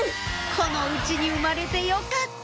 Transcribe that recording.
この家に生まれてよかった！